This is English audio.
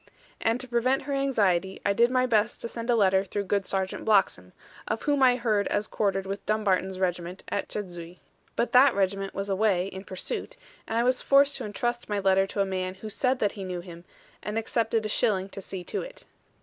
And to prevent her anxiety, I did my best to send a letter through good Sergeant Bloxham, of whom I heard as quartered with Dumbarton's regiment at Chedzuy. But that regiment was away in pursuit; and I was forced to entrust my letter to a man who said that he knew him, and accepted a shilling to see to it.